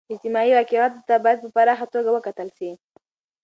اجتماعي واقعیت ته باید په پراخه توګه و کتل سي.